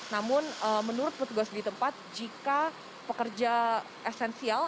namun menurut petugas di tempat jika pekerja esensial